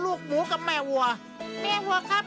และคู่อย่างฉันวันนี้มีความสุขจริง